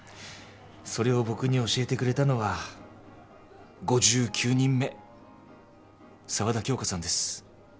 それを僕に教えてくれたのは５９人目沢田杏花さんです